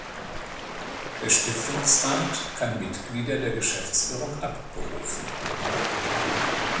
Der Stiftungsrat kann Mitglieder der Geschäftsführung abberufen.